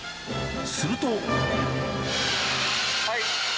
すると。